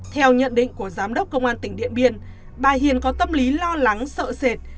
theo nhận định của giám đốc công an tỉnh điện biên bà hiền có tâm lý lo lắng sợ sệt